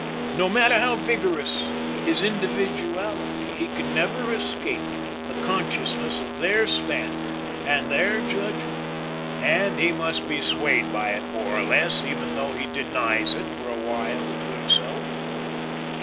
No matter how vigorous his individuality, he can never escape the consciousness of their standard and their judgment, and he must be swayed by it more or less, even though he denies it for awhile to himself.